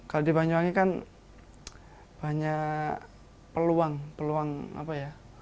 kalau di banyuwangi kan banyak peluang peluang apa ya